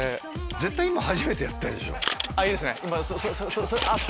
絶対今初めてやったでしょ？